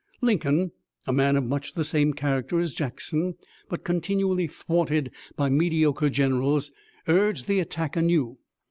Lincoln, a man of much the same character as Jackson, but continually thwarted by mediocre generals, urged the attack anew.